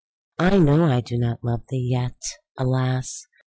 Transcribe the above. I know I do not love thee! yet, alas!